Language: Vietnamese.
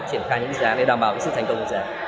triển khai những dự án để đảm bảo sự thành công